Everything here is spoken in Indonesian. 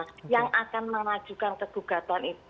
tapi kalau kita akan menajukan kegugatan itu